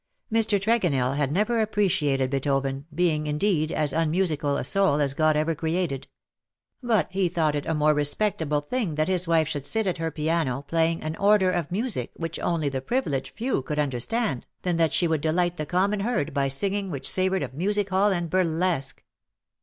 Mr. Tregonell had never appreciated Beethoven, being, indeed, as unmusical a soul as God ever created; but he thought it a more respectable thing that his wife should sit at her piano playing an order of music which only the privileged few could understand. 127 than that she should delight the common herd by singing which savoured of music hall and burlesque.